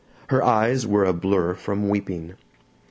Her eyes were a blur from weeping.